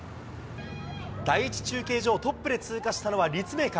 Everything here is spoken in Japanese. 第１中継所をトップで通過したのは立命館。